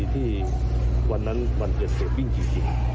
ที่วันนั้นวันเกิดเหตุวิ่งจริง